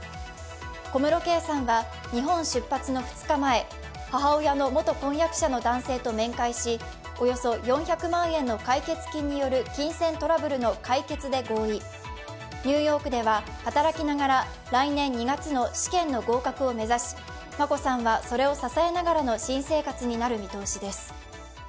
小室圭さんは日本出発の２日前、母親の元婚約者の男性と面会しおよそ４００万円の解決金による金銭トラブルの解決で合意、ニューヨークでは働きながら来年２月の試験の合格を目指し眞子さんはそれを支えながらの新生活になる見通しです。